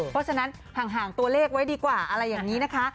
เพราะฉะนั้นห่างตัวเลขไว้ดีกว่าอะไรอย่างนี้นะคะ